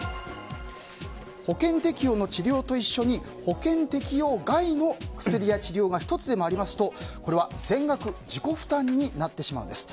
保険適用の治療と一緒に保険適用外の薬や治療が１つでもありますとこれは全額自己負担になってしまうんです。